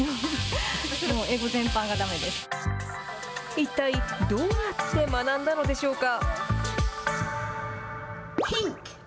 一体どうやって学んだのでしょうか。